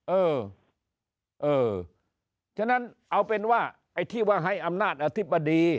เออเออฉะนั้นเอาเป็นว่าไอ้ที่ว่าให้อำนาจอธิบดี